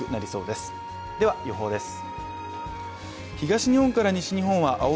では予報です。